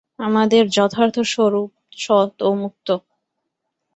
আমাদের যথার্থ স্বরূপ সৎ ও মুক্ত।